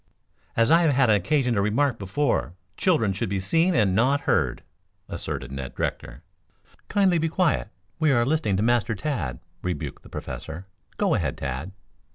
"As I have had occasion to remark before, children should be seen and not heard," asserted Ned Rector. "Kindly be quiet. We are listening to Master Tad," rebuked the Professor. "Go ahead, Tad."